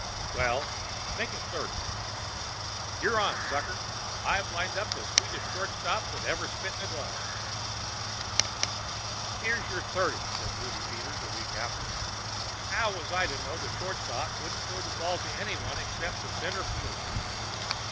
"Well, make it thirty." "You're on, sucker. I've lined up the sweetest shortstop that ever spit in a glove ..." "Here's your thirty," said Rudy Peters a week after. "How was I to know that shortstop wouldn't throw the ball to anyone except the center fielder?"